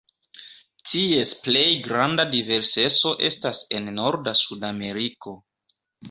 Ties plej granda diverseco estas en norda Sudameriko.